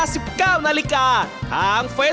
ไอ้กลุ่มซ้าย